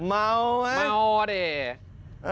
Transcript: เมาไหม